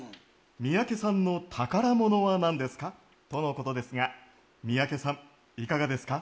「三宅さんの宝物は何ですか？」とのことですが三宅さんいかがですか？